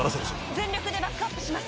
全力でバックアップします！